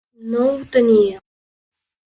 No ho tenia.